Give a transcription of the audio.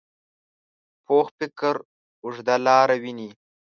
پوخ فکر اوږده لاره ویني